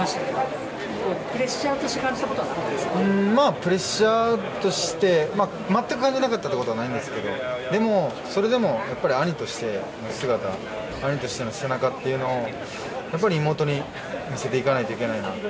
プレッシャーとして全く感じなかったことはなかったんですけどそれでも、やっぱり兄としての姿兄としての背中というのをやはり妹に見せていかないといけないと。